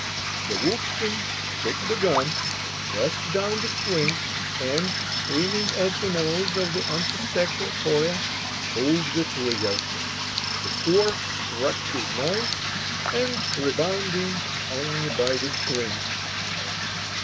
The Wolfkin took the gun, pressed down the spring, and, aiming at the nose of the unsuspecting Kolya, pulled the trigger. The cork struck his nose, and rebounding, hung by the string.